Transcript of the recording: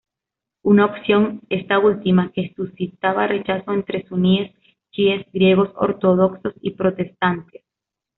Una opción, esta última, que suscitaba rechazo entre suníes, chiíes, griegos ortodoxos y protestantes.